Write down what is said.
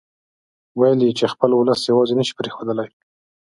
ويل يې چې خپل اولس يواځې نه شي پرېښودلای.